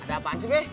ada apaan sih be